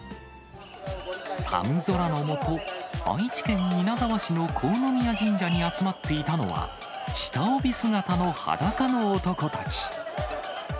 寒空の下、愛知県稲沢市の国府宮神社に集まっていたのは、下帯姿の裸の男たち。